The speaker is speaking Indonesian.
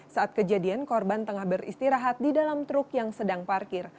saat kejadian korban tengah beristirahat di dalam truk yang sedang parkir